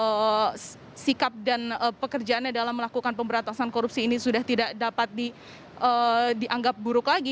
dan memang adanya nama nama yang disebutkan memiliki integritas yang tinggi kemudian juga sikap dan pekerjaannya dalam melakukan pemberantasan korupsi ini sudah tidak dapat dianggap buruk lagi